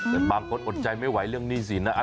แต่บางคนอดใจไม่ไหวเรื่องหนี้สินนะ